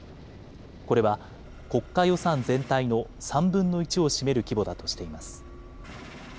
これは国家予算全体の３分の１を占める規模だとしています。